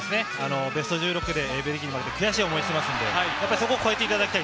ベスト１６で、負けて悔しい思いをしていますので、そこを超えていただきたい。